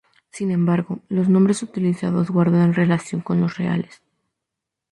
Sin embargo, los nombres utilizados guardan relación con los reales.